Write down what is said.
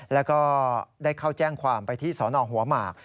แล้วก็ได้เข้าแจ้งความไปที่สนหัวหมาก